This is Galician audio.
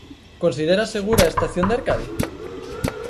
¿Considera segura a estación de Arcade?